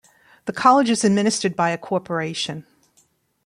The College is administered by a corporation.